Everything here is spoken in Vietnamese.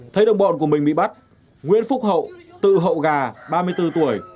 thấy đồng bọn của mình bị bắt nguyễn phúc hậu tự hậu gà ba mươi bốn tuổi